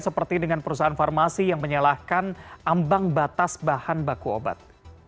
seperti dengan perusahaan farmasi yang menyalahkan ambang batas bahan baku obat